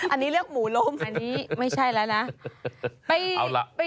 อันนี้เลือกหมูลมอันนี้ไม่ใช่แล้วนะ